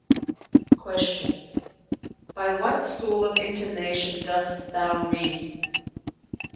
'"[FN#356] Q "By what school of intonation dost thou read?"